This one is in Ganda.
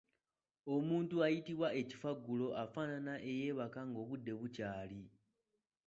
Omuntu ayitibwa ekifaggulo afaanana eyeebaka ng’obudde bukyali.